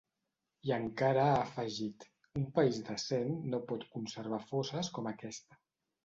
I encara ha afegit: Un país decent no pot conservar fosses com aquesta.